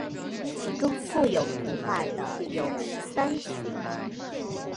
其中附有图画的有十三曲。